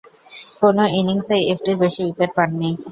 কোন ইনিংসেই একটির বেশি উইকেট পাননি।